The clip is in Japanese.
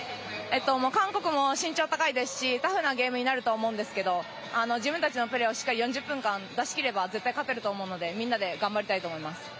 韓国も、身長が高いですしタフなゲームになると思うんですが自分たちのプレーをしっかり４０分間出しきれば絶対に勝てると思うのでみんなで頑張りたいと思います。